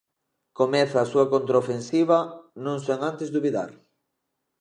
Comeza a súa contraofensiva non sen antes dubidar.